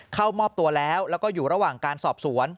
เข้ามอบตัวแล้วแล้วก็อยู่ระหว่างการสอบสวน